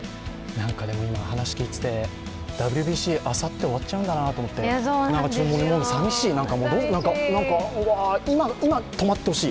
今、話を聞いていてＷＢＣ、あさって終わっちゃうんだなと思ってさみしい、なんかうわ、今、止まってほしい。